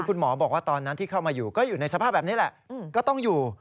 คุณหมอบอกว่าตอนนั้นที่เข้ามาอยู่ก็อยู่ในสภาพแบบนี้แหละก็ต้องอยู่